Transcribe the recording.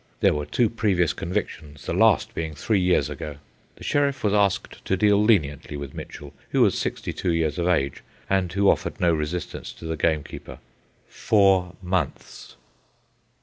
There were two previous convictions, the last being three years ago. The sheriff was asked to deal leniently with Mitchell, who was sixty two years of age, and who offered no resistance to the gamekeeper. Four months.